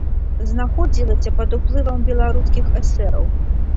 Знаходзілася пад уплывам беларускіх эсэраў.